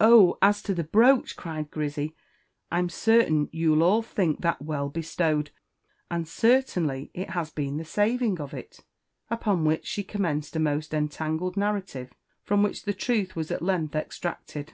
"Oh, as to the brooch," cried Grizzy, "I'm certain you'll all think that well bestowed, and certainly it has been the saving of it." Upon which she commenced a most entangled narrative, from which the truth was at length extracted.